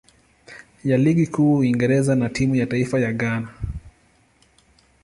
ya Ligi Kuu ya Uingereza na timu ya taifa ya Ghana.